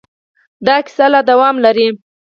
دا کیسه لا دوام لري.